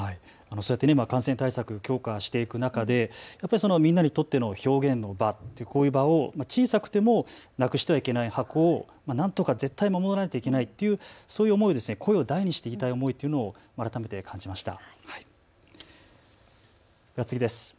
そうやって感染対策、強化していく中でみんなにとっての表現の場というこういう場を小さくてもなくしてはいけない、箱をなんとか絶対守らなきゃいけないっていうそういう思い、声を大にして言いたい思いというのを改めて感じました。